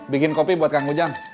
bikin kopi buat kang ujang